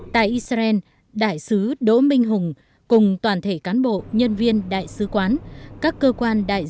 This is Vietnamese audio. tại israel đại sứ đỗ minh hùng cùng toàn thể cán bộ nhân viên đại sứ quán các cơ quan đại diện của việt nam đã dành một phút mặc niệm nguyên tổng bí thư lê khả phiêu